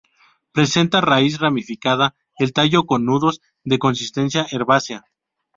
Presenta raíz ramificada, el tallo con nudos de consistencia herbácea.